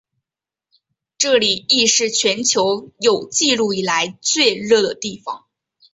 这里亦是全球有纪录以来最热的地方。